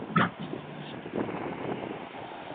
威瓦拥有一个特别的名称。